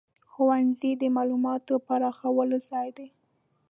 ښوونځی د معلوماتو پراخولو ځای دی.